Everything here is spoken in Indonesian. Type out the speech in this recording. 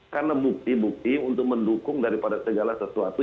karena bukti bukti untuk mendukung daripada segala sesuatu